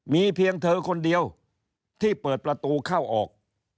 มีเพียงเธอคนเดียวที่เปิดประตูเข้าออก